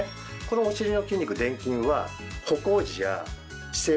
このお尻の筋肉殿筋は。